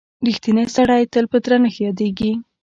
• رښتینی سړی تل په درنښت یادیږي.